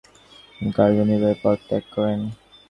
তিনি কার্যনির্বাহী পদ ত্যাগ করেন।